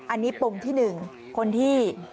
อันนี้ปมที่๑คนที่